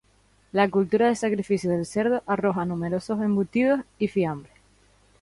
La cultura del sacrificio del cerdo arroja numerosos embutidos y fiambres.